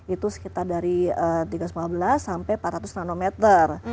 itu sekitar dari tiga ratus lima belas sampai empat ratus nanometer